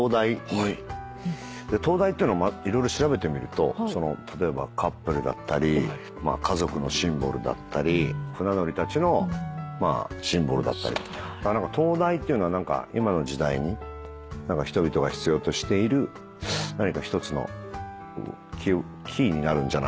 で灯台っていうのを色々調べてみると例えばカップルだったり家族のシンボルだったり船乗りたちのシンボルだったり灯台っていうのは今の時代に人々が必要としている何か１つのキーになるんじゃないかなと思って。